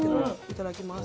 いただきます。